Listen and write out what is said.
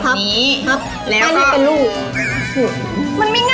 ใช่ค่ะเอามือข้างนี้ผับ